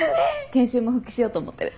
研修も復帰しようと思ってる。